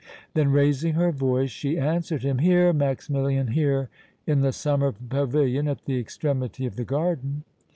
Then raising her voice she answered him: "Here, Maximilian, here, in the summer pavilion at the extremity of the garden!"